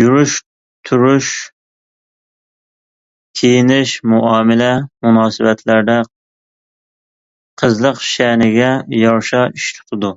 يۈرۈش-تۇرۇش، كىيىنىش، مۇئامىلە، مۇناسىۋەتلەردە قىزلىق شەنىگە يارىشا ئىش تۇتىدۇ.